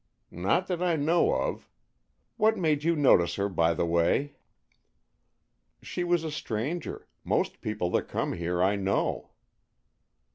"Not that I know of. What made you notice her, by the way?" "She was a stranger. Most people that come here I know."